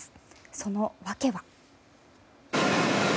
その訳は。